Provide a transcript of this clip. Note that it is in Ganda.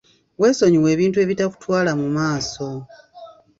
Weesonyiwe ebintu ebitakutwala mu maaso.